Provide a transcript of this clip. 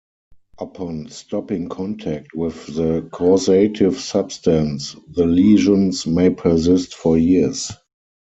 Upon stopping contact with the causative substance, the lesions may persist for years.